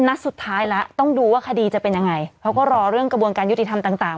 นัดสุดท้ายแล้วต้องดูว่าคดีจะเป็นยังไงเขาก็รอเรื่องกระบวนการยุติธรรมต่าง